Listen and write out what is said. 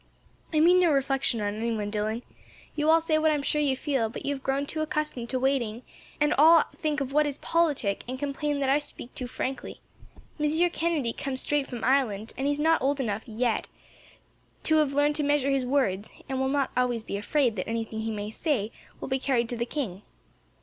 "I mean no reflection on anyone, Dillon. You all say what I am sure you feel, but you have grown accustomed to waiting, and all think of what is politic, and complain that I speak too frankly. Monsieur Kennedy comes straight from Ireland, and he is not old enough, yet, to have learned to measure his words, and will not be always afraid that anything he may say will be carried to the king.